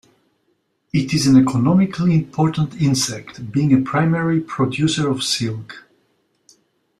It is an economically important insect, being a primary producer of silk.